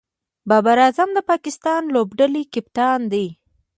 بابر اعظم د پاکستان لوبډلي کپتان دئ.